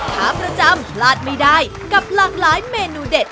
ขาประจำพลาดไม่ได้กับหลากหลายเมนูเด็ด